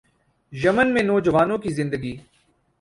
یمن میں نوجوانوں کی زندگی